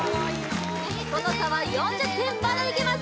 その差は４０点まだいけます